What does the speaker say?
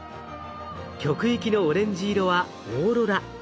極域のオレンジ色はオーロラ。